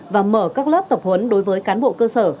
và mở các lớp tập huấn đối với cán bộ cơ sở